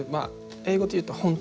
英語で言うと「本当」。